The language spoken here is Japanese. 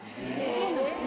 そうなんですよ